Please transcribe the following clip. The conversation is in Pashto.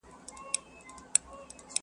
له امیانو څه ګیله ده له مُلا څخه لار ورکه،